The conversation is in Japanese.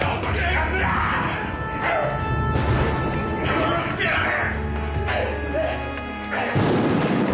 殺してやる！